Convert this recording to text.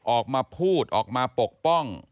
ออกมาพูดออกมาปกป้อง